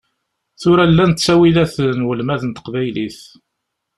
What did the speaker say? Tura llan ttawilat n ulmad n teqbaylit.